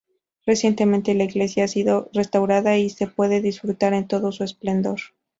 Recientemente la iglesia ha sido restaurada y se puede disfrutar en todo su esplendor.